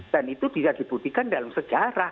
dan itu bisa dibuktikan dalam sejarah